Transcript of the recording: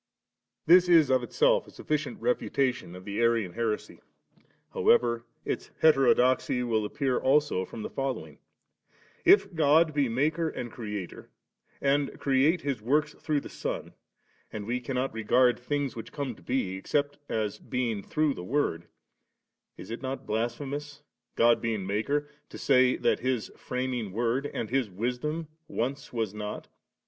This is of itself a sufiScient refutatioii of the Arian heresy ; however, its heterodoxy will appear also from the following:— K God be Maker and Creator, and create His works through the Son, and we cannot regard things which come to be, except as being through the Word, is it not blasphemous, God being Maker, to say, that His Framing Word and His Wisdom once was not?